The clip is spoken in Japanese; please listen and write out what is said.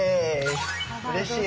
うれしい！